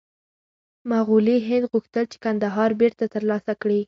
مغولي هند غوښتل چې کندهار بېرته ترلاسه کړي.